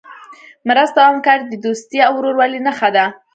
مرسته او همکاري د دوستۍ او ورورولۍ نښه ده.